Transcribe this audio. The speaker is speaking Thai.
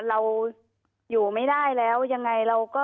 เจ้าหน้าที่แรงงานของไต้หวันบอก